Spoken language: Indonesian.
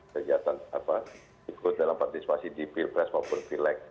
kegiatan ikut dalam partisipasi di pilpres populvileg